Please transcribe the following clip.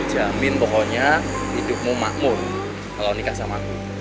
nah jamin pokoknya hidupmu makmur kalau nikah sama aku